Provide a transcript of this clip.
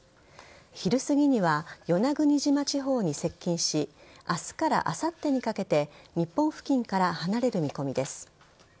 昼すぎには与那国島地方に接近し明日からあさってにかけて日本付近から離れる見込みです。